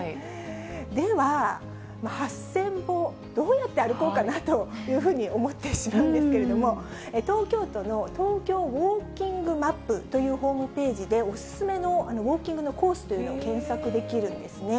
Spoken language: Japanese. では、８０００歩、どうやって歩こうかなというふうに思ってしまうんですけれども、東京都のトーキョーウォーキングマップというホームページでお勧めのウォーキングのコースというのを検索できるんですね。